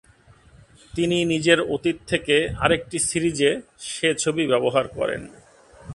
তিনি নিজের অতীত থেকে আরেকটি সিরিজে সে ছবি ব্যবহার করেন।